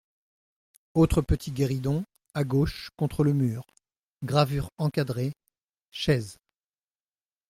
Autre petit guéridon, à gauche, contre le mur. — Gravures encadrées. — Chaises.